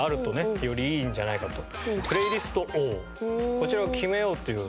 こちらを決めようっていう。